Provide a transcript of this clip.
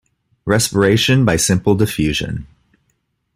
Respiration by simple diffusion.